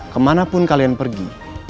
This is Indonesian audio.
kemanapun kalian pergi